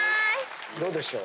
どうでしょう